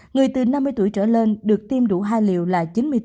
người từ năm mươi tuổi trở lên được tiêm đủ hai liều là chín mươi bốn